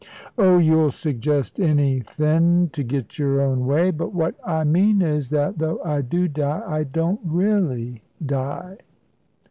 "Oh, you'll suggest anythin' to get your own way. But what I mean is that, though I do die, I don't really die."